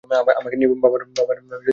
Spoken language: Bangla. আমাকে নিয়ে ভাবার সময় আছে তোমার?